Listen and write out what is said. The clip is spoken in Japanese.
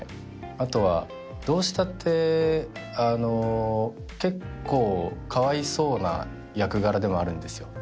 あとはどうしたってあの結構かわいそうな役柄ではあるんですよ